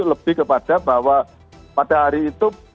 lebih kepada bahwa pada hari itu